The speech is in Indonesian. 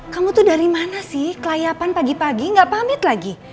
kamu tuh dari mana sih kelayapan pagi pagi gak pamit lagi